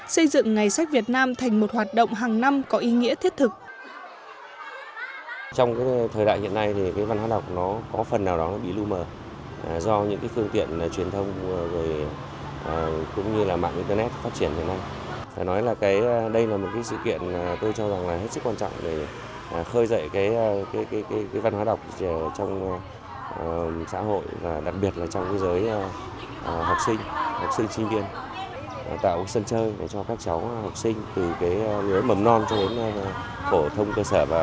xây dựng ngày sách việt nam thành một hoạt động hàng năm có ý nghĩa thiết thực